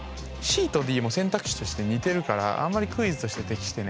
ＣとＤも選択肢として似てるからあんまりクイズとして適してないな。